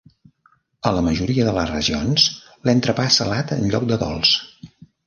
A la majoria de les regions, l'entrepà és salat en lloc de dolç.